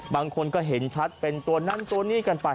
บางคนก็เห็นชัดเป็นตัวนั้นตัวนี้กันไป